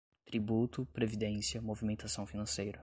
tributo, previdência, movimentação financeira